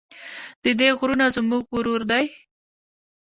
د دې غرونه زموږ غرور دی